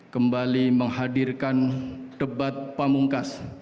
kembali menghadirkan debat pamungkas